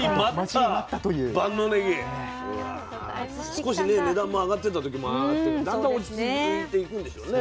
少しね値段も上がってた時もあってだんだん落ち着いていくんでしょうね。